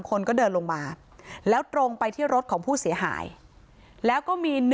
คนก็เดินลงมาแล้วตรงไปที่รถของผู้เสียหายแล้วก็มี